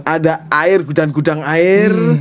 ada air gudang gudang air